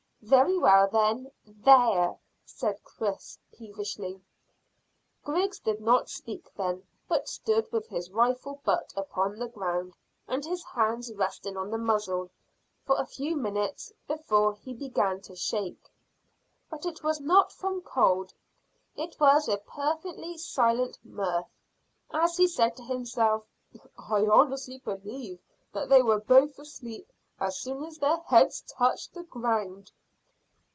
"Very well, then: there!" said Chris peevishly. Griggs did not speak then, but stood with his rifle butt upon the ground and his hands resting on the muzzle for a few minutes, before he began to shake. But it was not from cold. It was with perfectly silent mirth, as he said to himself "I honestly believe that they were both asleep as soon as their heads touched the ground."